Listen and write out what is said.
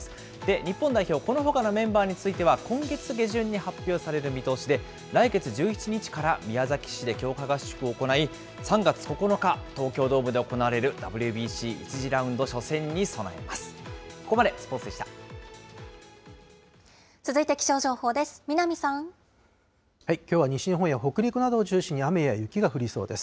日本代表、このほかのメンバーについては、今月下旬に発表される見通しで、来月１１日から、宮崎市で強化合宿を行い、３月９日、東京ドームで行われるＷＢＣ１次ラウンド初戦に備えます。